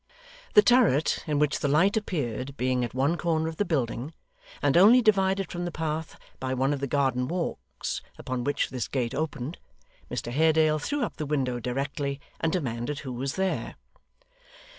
The turret in which the light appeared being at one corner of the building, and only divided from the path by one of the garden walks, upon which this gate opened, Mr Haredale threw up the window directly, and demanded who was there.